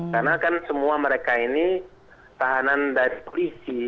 karena kan semua mereka ini tahanan dari polisi